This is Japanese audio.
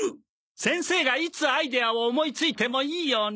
先生がいつアイデアを思いついてもいいように。